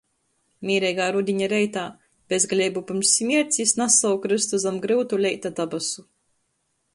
Mīreigā rudiņa reitā bezgaleibu pyrms smierts jis nas sovu krystu zam gryutu leita dabasu.